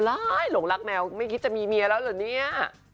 หลงรักแมวไม่คิดจะมีเมียแล้วเหรอเนี่ย